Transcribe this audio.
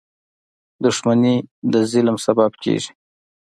• دښمني د ظلم سبب کېږي.